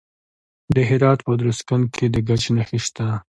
د هرات په ادرسکن کې د ګچ نښې شته.